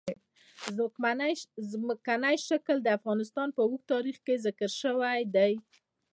ځمکنی شکل د افغانستان په اوږده تاریخ کې ذکر شوی دی.